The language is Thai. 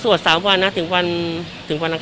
สวัสดิ์สามวันนะถึงวันนำคาญ